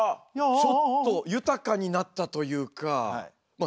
ちょっと豊かになったというかまあ